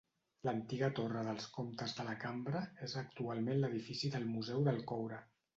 L'antiga torre dels comtes de Lacambra és actualment l'edifici del Museu del Coure.